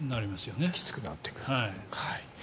きつくなってくると。